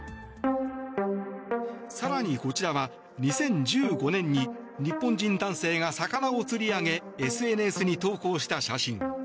更に、こちらは２０１５年に日本人男性が魚を釣り上げＳＮＳに投稿した写真。